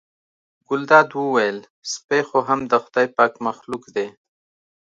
ګلداد وویل سپی خو هم د خدای پاک مخلوق دی.